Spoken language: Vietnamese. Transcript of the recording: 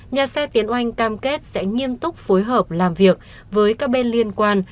nhà xe tiếng oanh cam kết sẽ nghiêm túc phối hợp làm việc với các bên liên quan